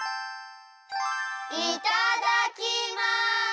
いただきます！